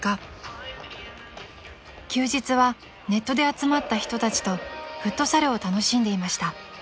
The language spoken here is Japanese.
［休日はネットで集まった人たちとフットサルを楽しんでいました］